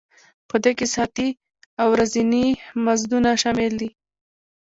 په دې کې ساعتي او ورځني مزدونه شامل دي